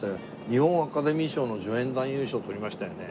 日本アカデミー賞の助演男優賞を取りましたよね。